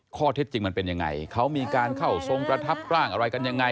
ข้อเท็จจริงมันเป็นยังไงเขามีการเข้าทรงประทับร่างอะไรกันยังไง